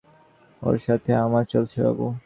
ওর সাথে আমার চলছে বাবু।